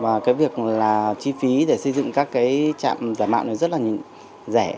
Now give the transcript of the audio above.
và cái việc là chi phí để xây dựng các cái trạm giả mạo này rất là rẻ